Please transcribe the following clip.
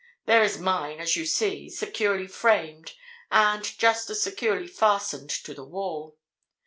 There is mine, as you see, securely framed and just as securely fastened to the wall.